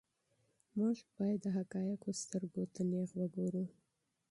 موږ باید د حقایقو سترګو ته نیغ وګورو.